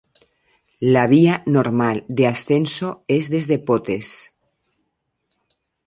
La vía normal de ascenso es desde Potes.